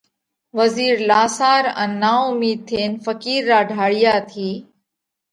وزِير لاسار ان نا اُومِيڌ ٿينَ ڦقِير را ڍاۯِيا ٿِي